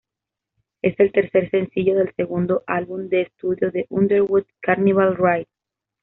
Es el tercer sencillo del segundo álbum de estudio de Underwood, Carnival Ride.